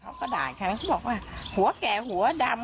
เขาก็ด่าฉันก็บอกว่าหัวแก่หัวดำ